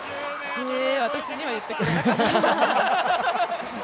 へえ、私には言ってくれなかった。